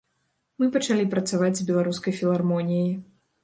Мы пачалі працаваць з беларускай філармоніяй.